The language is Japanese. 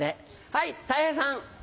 はいたい平さん。